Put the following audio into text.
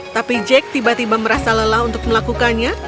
tapi jack tiba tiba merasa lelah untuk melakukannya